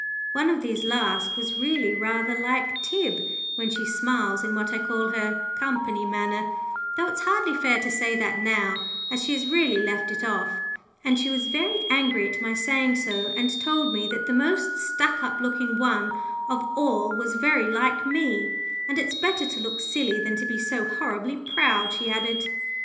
One of these last was really rather like Tib when she smiles in what I call her "company" manner though it's hardly fair to say that now, as she has really left it off and she was very angry at my saying so, and told me that the most stuck up looking one of all was very like me; "and it's better to look silly than to be so horribly proud," she added.